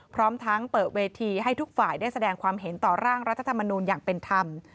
พร้อมทั้งเปิดเวทีให้ทุกฝ่ายได้แสดงความเห็นต่อร่างรัฐธรรมนูลอย่างเป็นธรรม